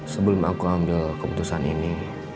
sebelum aku ambil keputusan ini